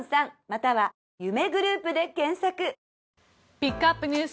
ピックアップＮＥＷＳ